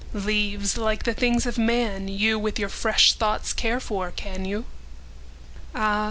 Leáves, líke the things of man, youWith your fresh thoughts care for, can you? Áh!